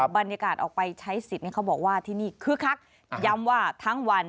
บรรยากาศออกไปใช้สิทธิ์เขาบอกว่าที่นี่คึกคักย้ำว่าทั้งวัน